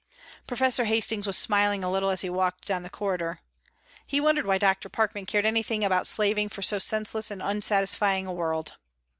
Professor Hastings was smiling a little as he walked down the corridor. He wondered why Dr. Parkman cared anything about slaving for so senseless and unsatisfying a world.